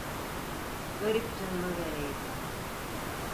Garip canımı vereydim.